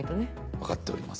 わかっております。